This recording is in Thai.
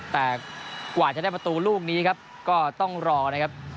แต่กว่าจะได้ประตูลูกนี้ครับก็ต้องรอนะครับ